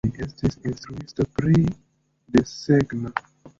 Li estis instruisto pri desegno.